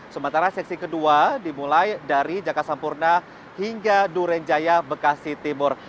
sementara seksi kedua dimulai dari jakarta sampurna hingga durenjaya bekasi timur